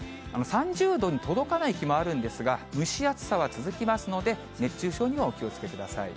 ３０度に届かない日もあるんですが、蒸し暑さは続きますので、熱中症にはお気をつけください。